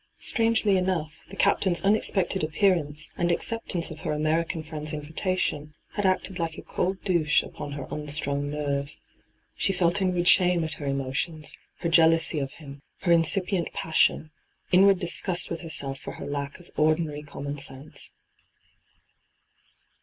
Strangely enough, the Captain's un expected appeurance and acceptance of her D,gt,, 6rtbyGOOglC 230 ENTRAPPED American friend's invitatioa had acted like a cold douche upon her unstrung nerves. She felt inward shame at her emotions, her jealousy of him, her incipient passion, inward disgust with herself for her lack of ordinary common senae.